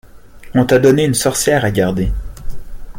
On t’a donné une sorcière à garder.